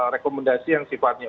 rekomendasi yang sifatnya